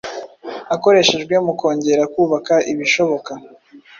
akoreshejwe mu kongera kubaka ibishoboka